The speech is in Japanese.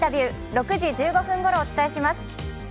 ６時１５分ごろ、お伝えします。